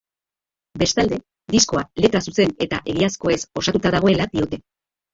Bestalde, diskoa letra zuzen eta egiazkoez osatuta dagoela diote.